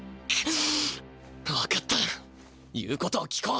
わかった言うことを聞こう。